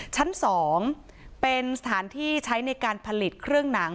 ชั้น๒เป็นสถานที่ใช้ในการผลิตเครื่องหนัง